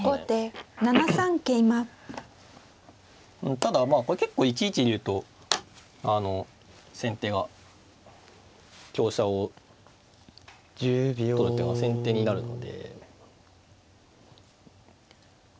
ただこれ結構１一竜と先手が香車を取る手が先手になるので。